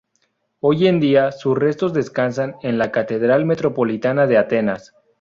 Hoy en día, sus restos descansan en la Catedral Metropolitana de Atenas.